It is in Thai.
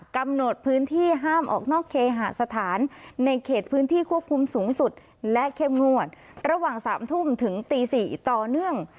กำหนดพื้นที่ห้ามออกนอกเคหาสถานในเขตพื้นที่ควบคุมสูงสุดและเข้มงวดระหว่าง๓ทุ่มถึงตี๔ต่อเนื่อง